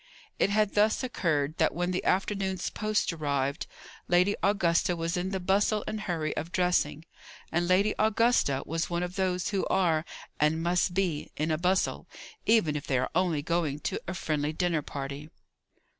It had thus occurred that when the afternoon's post arrived, Lady Augusta was in the bustle and hurry of dressing; and Lady Augusta was one of those who are, and must be, in a bustle, even if they are only going to a friendly dinner party.